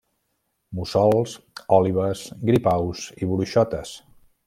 Mussols, òlibes, gripaus i bruixotes.